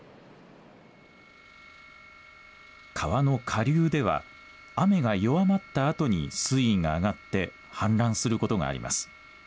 川の下流では雨が弱まったあとに水位が上がって氾濫することがあります。